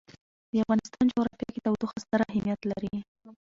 د افغانستان جغرافیه کې تودوخه ستر اهمیت لري.